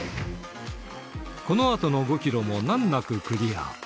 このあとの５キロも難なくクリア。